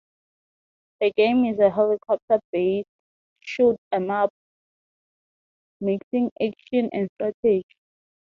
The game is a helicopter based shoot 'em up, mixing action and strategy.